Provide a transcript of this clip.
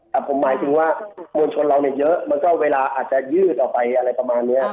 แต่ผมหมายถึงว่ามวลชนเราเนี่ยเยอะมันก็เวลาอาจจะยืดออกไปอะไรประมาณนี้